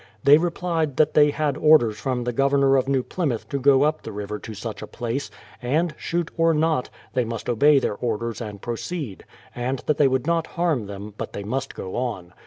They replied tliat they had orders from the Governor of New Plymouth to go up the river to such a place, and, shoot or not, they must obey their orders and proceed; and that they would not harm them, but they must go on.